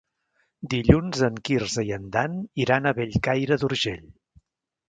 Dilluns en Quirze i en Dan iran a Bellcaire d'Urgell.